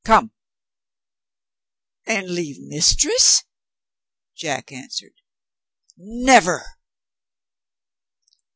"Come!" "And leave Mistress?" Jack answered. "Never!"